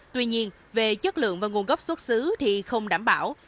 tuy nhiên về chất lượng và nguồn gốc xuất xứ thì không đảm bảo